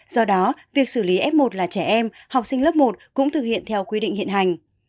do đó việc xử lý f một là trẻ em học sinh lớp một cũng thực hiện theo quy định hiện hành